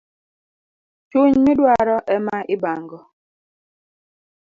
Chuny midwaro ema ibango